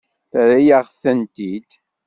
Terra-yaɣ-tent-id.